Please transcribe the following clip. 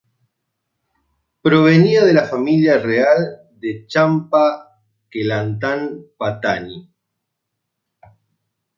Provenía de la familia real de Champa-Kelantan-Pattani.